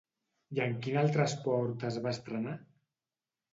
I en quin altre esport es va estrenar?